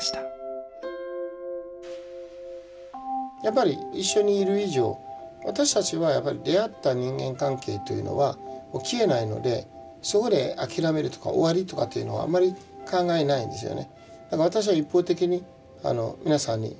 やっぱり一緒にいる以上私たちはやっぱり出会った人間関係というのは消えないのでそこで諦めるとか終わりとかっていうのはあんまり考えないんですよね。